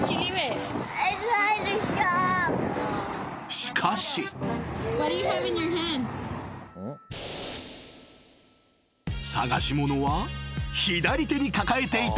［しかし］［捜し物は左手に抱えていた］